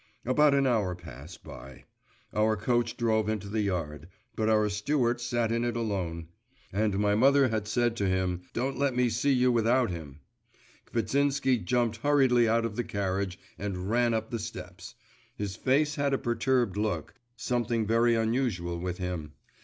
About an hour passed by. Our coach drove into the yard; but our steward sat in it alone. And my mother had said to him 'don't let me see you without him.' Kvitsinsky jumped hurriedly out of the carriage, and ran up the steps. His face had a perturbed look something very unusual with him.